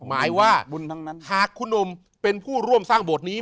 หมายว่าหากคุณอมเป็นผู้ร่วมสร้างโบสถนี้